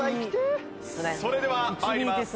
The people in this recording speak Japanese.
それでは参ります。